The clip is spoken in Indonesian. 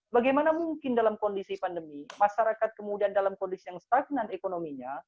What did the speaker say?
bagaimana mungkin dalam kondisi pandemi masyarakat kemudian dalam kondisi yang stagnan ekonominya